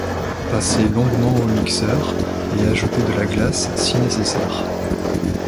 Passer longuement au mixeur, et ajouter de la glace si nécessaire.